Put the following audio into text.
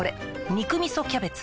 「肉みそキャベツ」